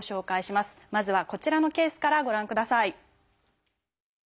まずはこちらのケースからご覧ください。